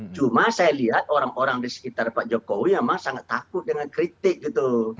cuma saya lihat orang orang di sekitar pak jokowi memang sangat takut dengan kritik gitu